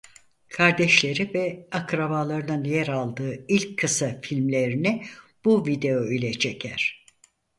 Kardeşleri ve akrabalarının yer aldığı ilk kısa filmlerini bu video ile çeker.